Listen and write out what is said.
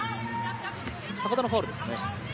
高田のファウルですかね。